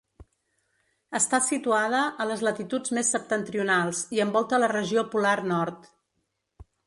Està situada a les latituds més septentrionals i envolta la regió polar nord.